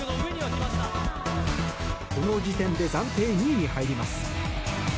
この時点で暫定２位に入ります。